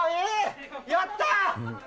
やった！